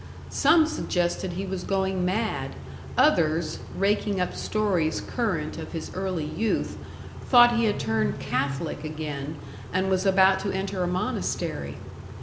Some suggested he was going mad others, raking up stories current of his early youth, thought he had turned Catholic again, and was about to enter a monastery.